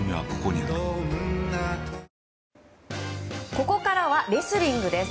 ここからはレスリングです。